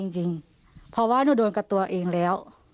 จริงเพราะว่าหนูโดนกับตัวเองแล้ว